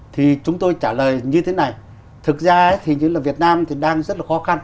thì chúng tôi trả lời như thế này thực ra thì như là việt nam thì đang rất là khó khăn